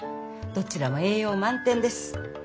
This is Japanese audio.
どちらも栄養満点です。